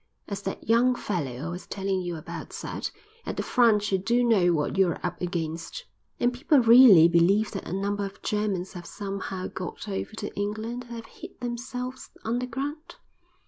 As that young fellow I was telling you about said, 'At the front you do know what you're up against.'" "And people really believe that a number of Germans have somehow got over to England and have hid themselves underground?"